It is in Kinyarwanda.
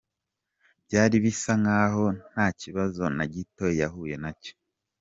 Byari bisa nk'aho ntakibazo na gito yahuye nacyo.